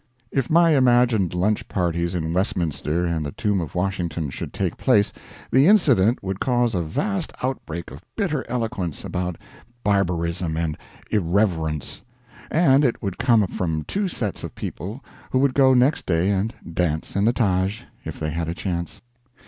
If my imagined lunch parties in Westminster and the tomb of Washington should take place, the incident would cause a vast outbreak of bitter eloquence about Barbarism and Irreverence; and it would come from two sets of people who would go next day and dance in the Taj if they had a chance.